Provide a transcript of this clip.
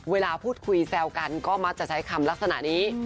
เวลาพูดคุยแซวกันก็มักจะใช้คำลักษณะนี้